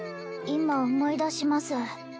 今思い出します